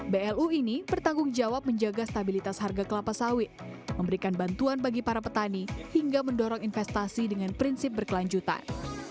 blu ini bertanggung jawab menjaga stabilitas harga kelapa sawit memberikan bantuan bagi para petani hingga mendorong investasi dengan prinsip berkelanjutan